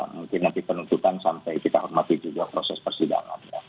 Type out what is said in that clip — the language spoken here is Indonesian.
mungkin nanti penuntutan sampai kita hormati juga proses persidangan